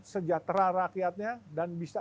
sejahtera rakyatnya dan bisa